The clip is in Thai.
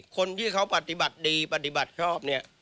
คนที่เขาปฏิบัติดีปฏิบัติชอบเนี่ย